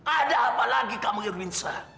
ada apa lagi kamu irwin shah